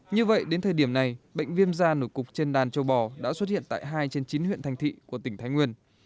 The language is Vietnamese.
như vậy đến thời điểm này bệnh viêm da nổi cục trên đàn châu bò đã xuất hiện tại hai trên chín huyện thành thị của tỉnh thái nguyên